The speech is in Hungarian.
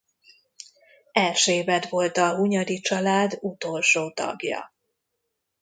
Erzsébet volt a Hunyadi-család utolsó tagja.